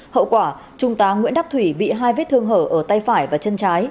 hậu quả trung tá nguyễn đắp thủy bị hai vết thương hở ở tay phải và chân trái